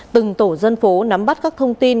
từng tổ dân phố nắm bắt các thông tin